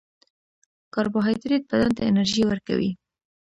کاربوهایډریټ بدن ته انرژي ورکوي